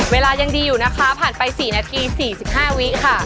เวลายังดีอยู่นะคะผ่านไป๔นาที๔๕วิค่ะ